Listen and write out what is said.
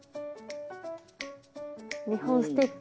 ２本ステッチ。